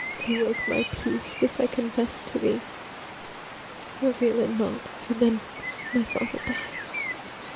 ABIGAIL. To work my peace, this I confess to thee: Reveal it not; for then my father dies.